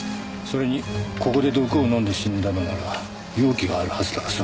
それにここで毒を飲んで死んだのなら容器があるはずだ。